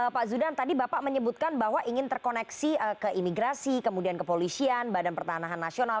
pak zudan tadi bapak menyebutkan bahwa ingin terkoneksi ke imigrasi kemudian kepolisian badan pertanahan nasional